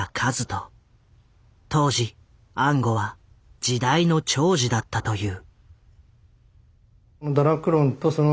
当時安吾は時代の寵児だったという。